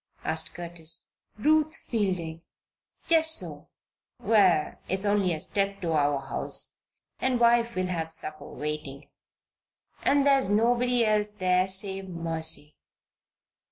asked Curtis. "Ruth Fielding." "Just so! Well, it's only a step to our house and wife will have supper waiting. And there's nobody else there save Mercy."